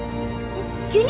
急に？